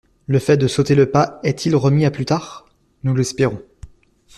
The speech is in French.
Le fait de sauter le pas est-il remis à plus tard ? Nous l’espérons.